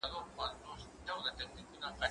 زه پرون د کتابتوننۍ سره وم